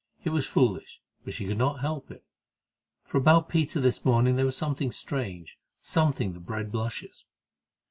It was foolish, but she could not help it, for about Peter this morning there was something strange, something that bred blushes.